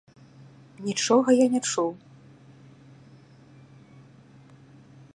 Нічога я не чуў.